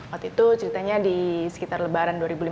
waktu itu ceritanya di sekitar lebaran dua ribu lima belas